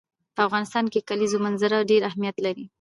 په افغانستان کې د کلیزو منظره ډېر اهمیت لري.